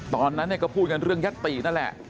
ตอนนั้นก็พูดกันเรื่องยัตตินั่นแหละ